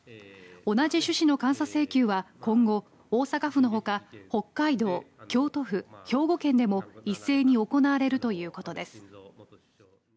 同じ趣旨の監査請求は今後大阪府のほか北海道、京都府、兵庫県でも一斉に行われるということです。